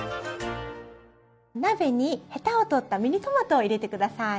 鍋にヘタを取ったミニトマトを入れて下さい。